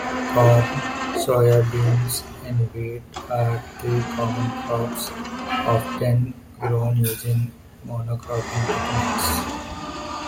Corn, soybeans, and wheat are three common crops often grown using monocropping techniques.